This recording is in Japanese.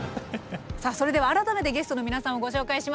さあそれでは改めてゲストの皆さんをご紹介します。